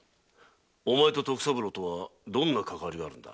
お前と徳三郎とはどんなかかわりがあるのだ？